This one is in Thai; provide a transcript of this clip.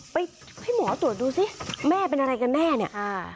ไปให้หมอตรวจดูสิแม่เป็นอะไรกันแน่เนี่ยอ่า